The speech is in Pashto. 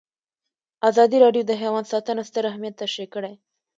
ازادي راډیو د حیوان ساتنه ستر اهميت تشریح کړی.